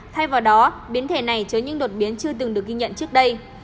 thay vào đó biến thể này chứa những đột biến chưa từng được ghi nhận trước đây